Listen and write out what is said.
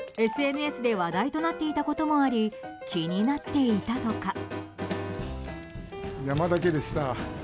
ＳＮＳで話題となっていたこともあり気になっていたとか。